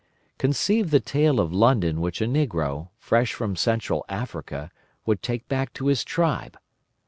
Conceive the tale of London which a negro, fresh from Central Africa, would take back to his tribe!